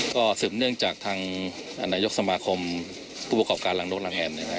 ก็สืบเนื่องจากทางนายกสมาคมผู้ประกอบการหลังรถรังแฮน